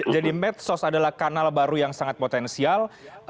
jadi medsos adalah kanal baru yang sangat potensial